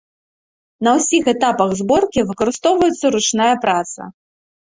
На ўсіх этапах зборкі выкарыстоўваецца ручная праца.